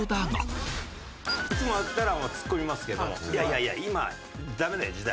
いつもだったらツッコみますけどいやいやいや今ダメだよ時代。